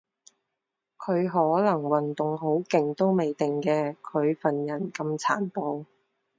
佢可能運動好勁都未定嘅，佢份人咁殘暴